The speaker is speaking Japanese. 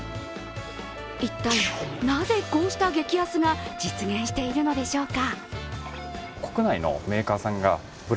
一体なぜこうした激安が実現しているのでしょうか。